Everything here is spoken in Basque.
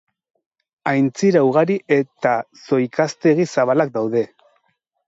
Aintzira ugari eta zohikaztegi zabalak daude.